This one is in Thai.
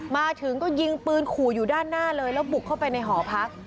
มาถึงก็ยิงปืนขู่อยู่ด้านหน้าเลยแล้วบุกเข้าไปในหอพัก